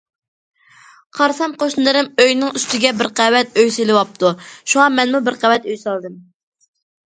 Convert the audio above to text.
قارىسام قوشنىلىرىم ئۆينىڭ ئۈستىگە بىر قەۋەت ئۆي سېلىۋاپتۇ، شۇڭا مەنمۇ بىر قەۋەت ئۆي سالدىم.